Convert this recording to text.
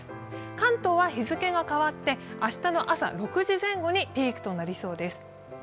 関東は日付が変わって、明日の朝６時前後にピークとなりそうです。